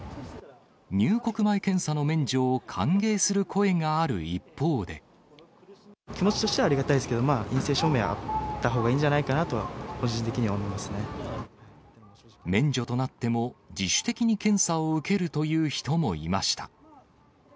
入国前検査の免除を歓迎する気持ちとしてはありがたいですけど、まあ陰性証明はあったほうがいいんじゃないかなとは、個人的には免除となっても、自主的に検査を受けるという人もいました。